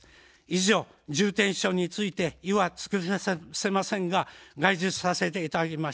以上、重点主張について意を尽くせませんでしたが、概述させていただきました。